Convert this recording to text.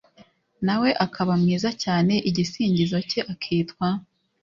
nawe akaba mwiza cyane; igisingizo cye akitwa